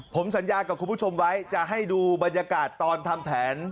ผมสัญญากับคุณผู้ชมไว้จะให้ดูบรรยากาศตอนทำแผน